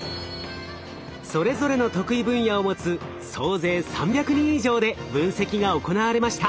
それぞれの得意分野を持つ総勢３００人以上で分析が行われました。